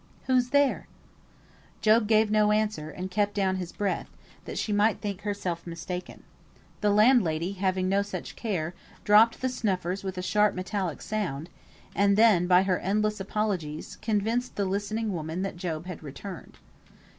"Who's there?" Job gave no answer, and kept down his breath, that she might think herself mistaken. The landlady, having no such care, dropped the snuffers with a sharp metallic sound, and then, by her endless apologies, convinced the listening woman that Job had returned.